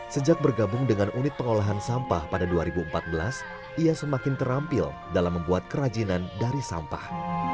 sejak bergabung dengan unit pengolahan sampah pada dua ribu empat belas ia semakin terampil dalam membuat kerajinan dari sampah